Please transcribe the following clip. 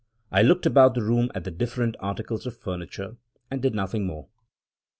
I looked about the room at the different articles of furniture, and did nothing more.